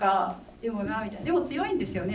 でもなでも強いんですよね